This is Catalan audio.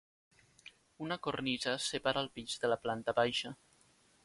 Una cornisa separa el pis de la planta baixa.